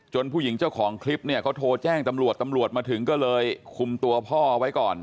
ผู้หญิงเจ้าของคลิปเนี่ยเขาโทรแจ้งตำรวจตำรวจมาถึงก็เลยคุมตัวพ่อเอาไว้ก่อน